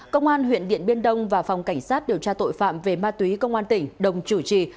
công an huyện điện biên đông và phòng cảnh sát điều tra tội phạm về ma túy công an tỉnh đồng chủ trì